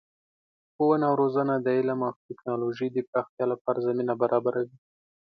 ښوونه او روزنه د علم او تکنالوژۍ د پراختیا لپاره زمینه برابروي.